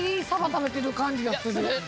食べてる感じがする。